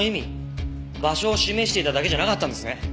場所を示していただけじゃなかったんですね。